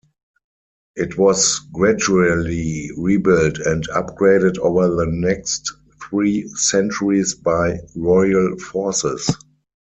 It was gradually rebuilt and upgraded over the next three centuries by royal forces.